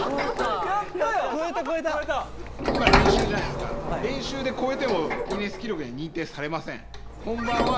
今練習じゃないですか練習で超えてもギネス記録には認定されません。